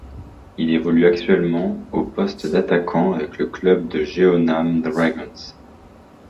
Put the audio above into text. Il évolue actuellement au poste d'attaquant avec le club de Jeonnam Dragons.